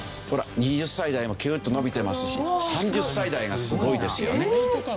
２０歳代もキューッと伸びてますし３０歳代がすごいですよね。